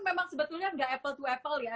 memang sebetulnya nggak apple to apple ya